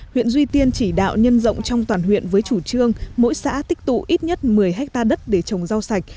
huyện duy tiên chỉ đạo nhân rộng trong toàn huyện với chủ trương mỗi xã tích tụ ít nhất một mươi hectare đất để trồng rau sạch